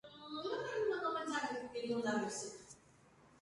La isla es de porte pequeño.